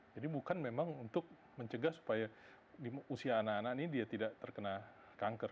jadi bukan memang untuk mencegah supaya di usia anak anak ini dia tidak terkena kanker